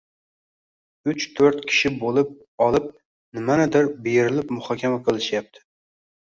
uch-to‘rt kishi bo‘lib olib, nimanidir berilib muhokama qilishyapti.